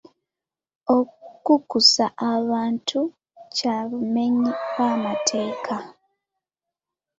Okukukusa abantu kya bumenyi bw'amateeka.